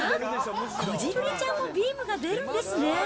こじるりちゃんもビームが出るんですね。